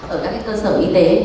ở các cơ sở y tế